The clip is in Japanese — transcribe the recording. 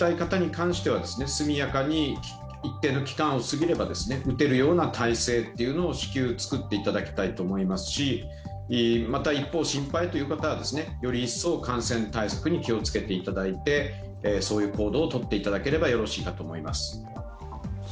打ちたい方に関しては速やかに一定の期間を過ぎれば打てるような体制を至急作っていただきたいですし、また一方、心配という方はより一層感染対策に気をつけていただいてそういう行動をとっていただければよろしいかと思います。